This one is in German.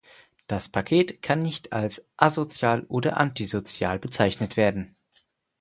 Das Paket kann nicht als asozial oder antisozial bezeichnet werden.